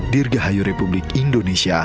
dirgahayu republik indonesia